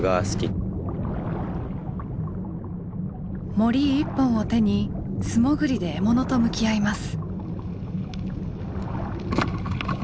もり一本を手に素潜りで獲物と向き合います。